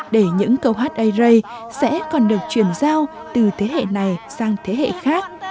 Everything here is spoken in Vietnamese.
để những câu hát ây rây sẽ còn được truyền giao từ thế hệ này sang thế hệ khác